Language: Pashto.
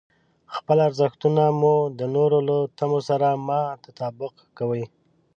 خپل ارزښتونه مو د نورو له تمو سره مه تطابق کوئ.